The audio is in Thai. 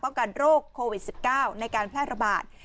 กันโรคโควิด๑๙ในการแพร่ระบาด